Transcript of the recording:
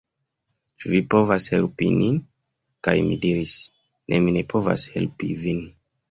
Ĉu vi povas helpi nin?" kaj mi diris: "Ne, mi ne povas helpi vin!